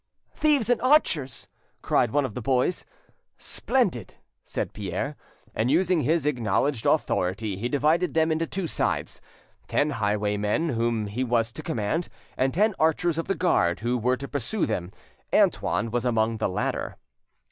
"Thieves and archers," cried one of the boys.... "Splendid!" said Pierre; and using his acknowledged authority, he divided them into two sides—ten highwaymen, whom he was to command, and ten archers of the guard, who were to pursue them; Antoine was among the latter.